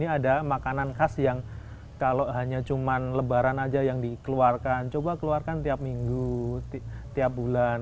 ada makanan khas yang hanya dikeluarkan di lebaran kita keluarkan di setiap minggu atau bulan